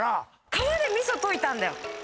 ・川で味噌溶いたんだよ。